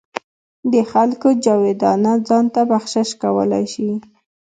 د خلکو جایدادونه ځان ته بخشش کولای شي.